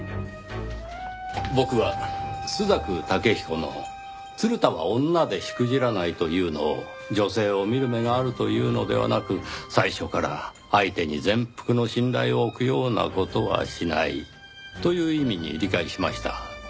僕は朱雀武比古の「鶴田は女でしくじらない」というのを女性を見る目があるというのではなく最初から相手に全幅の信頼を置くような事はしないという意味に理解しました。